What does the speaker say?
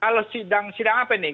kalau sidang apa nih